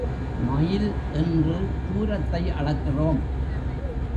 Mile என்று தூரத்தை அளக்கிறோம்.